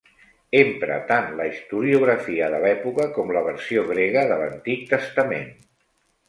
Empra tant la historiografia de l’època com la versió grega de l’Antic Testament.